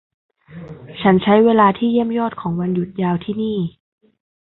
ฉันใช้เวลาที่เยี่ยมยอดของวันหยุดยาวที่นี่